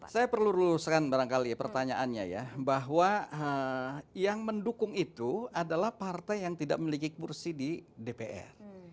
saya perlu luluskan barangkali pertanyaannya ya bahwa yang mendukung itu adalah partai yang tidak memiliki kursi di dpr